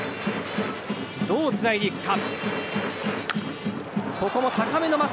どうつないでいくか。